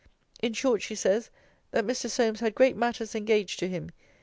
In short, she says, that Mr. Solmes had great matters engaged to him.